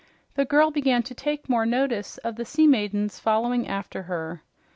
The girl began to take more notice of the sea maidens following after her.